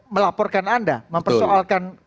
melaporkan anda mempersoalkan